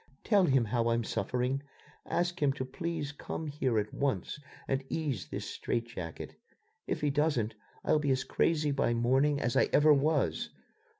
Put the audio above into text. "Tell him how I'm suffering. Ask him to please come here at once and ease this strait jacket. If he doesn't, I'll be as crazy by morning as I ever was.